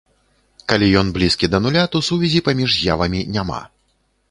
Калі ён блізкі да нуля, то сувязі паміж з'явамі няма.